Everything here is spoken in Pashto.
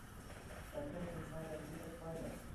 راکټ د انسان د فکر پایله ده